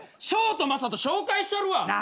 しょうとまさと紹介したるわ。